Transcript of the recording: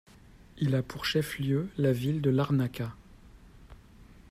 Il a pour chef-lieu la ville de Larnaca.